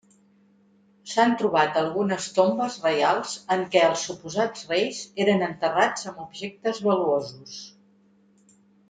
S'han trobat algunes tombes reials, en què els suposats reis eren enterrats amb objectes valuosos.